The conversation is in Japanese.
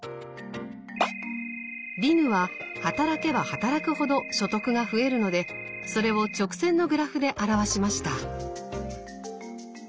ディヌは働けば働くほど所得が増えるのでそれを直線のグラフで表しました。